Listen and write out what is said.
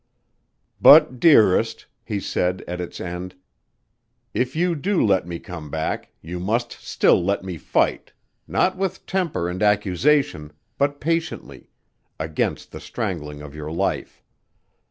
"But, dearest," he said at its end, "if you do let me come back, you must still let me fight not with temper and accusation, but patiently against the strangling of your life.